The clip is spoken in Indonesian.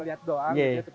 lihat doang begitu saja